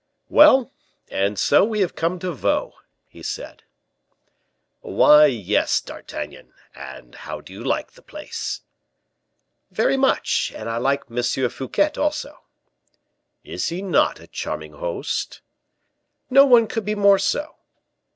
"Well, and so we have come to Vaux," he said. "Why, yes, D'Artagnan. And how do you like the place?" "Very much, and I like M. Fouquet, also." "Is he not a charming host?" "No one could be more so."